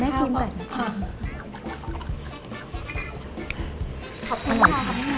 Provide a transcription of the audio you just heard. ขอบคุณฮายครับทุกคน